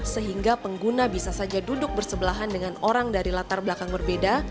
sehingga pengguna bisa saja duduk bersebelahan dengan orang dari latar belakang berbeda